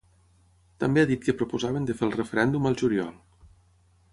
També ha dit que proposaven de fer el referèndum al juliol.